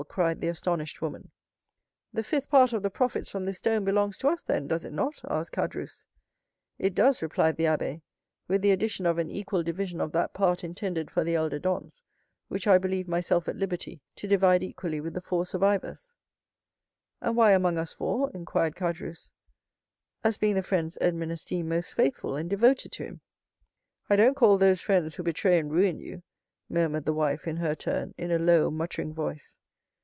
cried the astonished woman. "The fifth part of the profits from this stone belongs to us then, does it not?" asked Caderousse. "It does," replied the abbé; "with the addition of an equal division of that part intended for the elder Dantès, which I believe myself at liberty to divide equally with the four survivors." "And why among us four?" inquired Caderousse. "As being the friends Edmond esteemed most faithful and devoted to him." "I don't call those friends who betray and ruin you," murmured the wife in her turn, in a low, muttering voice.